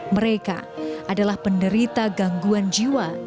mereka adalah penderita gangguan jiwa